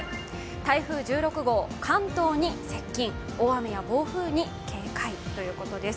台風１６号、関東に接近、大雨や暴風に警戒ということです。